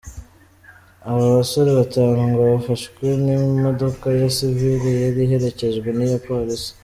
Aba basore batanu ngo bafashwe n’ imodoka ya sivile yari iherekejwe n’ iya polisi.